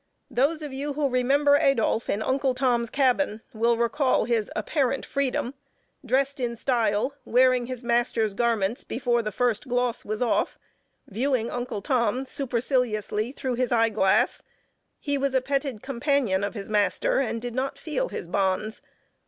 Those of you who remember Adolph in Uncle Tom's Cabin, will recall his apparent freedom. Dressed in style, wearing his master's garments before the first gloss was off, viewing Uncle Tom, superciliously through his eye glass, he was a petted companion of his master and did not feel his bonds.